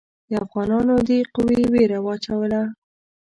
د افغانانو دې قوې وېره واچوله.